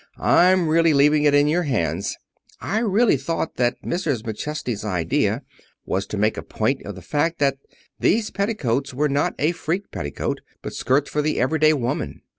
I'm really leaving it in your hands. I really thought that Mrs. McChesney's idea was to make a point of the fact that these petticoats were not freak petticoats, but skirts for the everyday women.